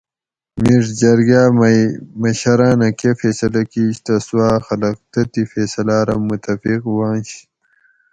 مِیڄ جرگاۤ مئی مشراۤنہ کہ فیصلہ کِیش تہ سوآۤ خلق تتھی فیصلہ رہ متفق وانش